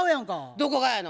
どこがやの？